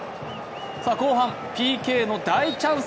後半、ＰＫの大チャンス。